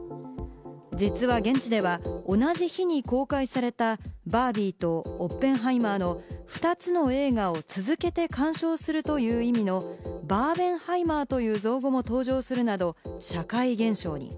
実は現地では同じ日に公開された、『バービー』と『オッペンハイマー』の２つの映画を続けて鑑賞するという意味のバーベンハイマーという造語も登場するなど、社会現象に。